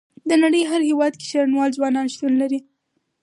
د نړۍ هر هيواد کې شرنوال ځوانان شتون لري.